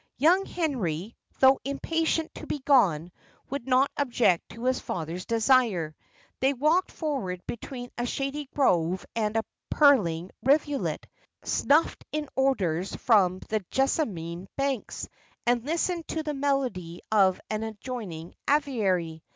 Young Henry, though impatient to be gone, would not object to his father's desire. They walked forward between a shady grove and a purling rivulet, snuffed in odours from the jessamine banks, and listened to the melody of an adjoining aviary.